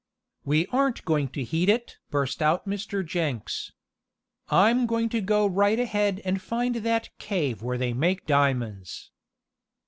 "We aren't going to heed it!" burst out Mr. Jenks. "I'm going to go right ahead and find that cave where they make diamonds!"